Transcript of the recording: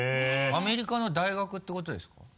アメリカの大学ってことですか？